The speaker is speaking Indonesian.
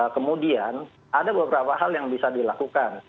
kemudian ada beberapa hal yang bisa dilakukan